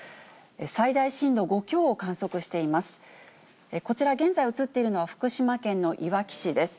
最大震度５強を観測しています。